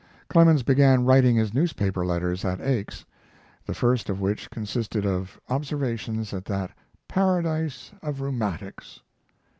Clemens began writing his newspaper letters at Aix, the first of which consists of observations at that "paradise of rheumatics."